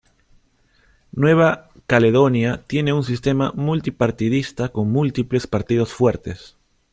Nueva Caledonia tiene un sistema multipartidista con múltiples partidos fuertes.